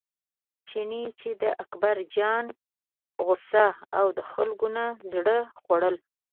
چیني چې د اکبرجان غوسه او د خلکو نه زړه خوړل.